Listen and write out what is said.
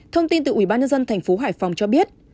thông tin từ ủy ban nhân dân tp hcm cho biết